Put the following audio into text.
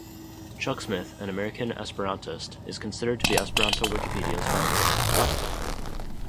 Chuck Smith, an American Esperantist, is considered to be Esperanto Wikipedia's founder.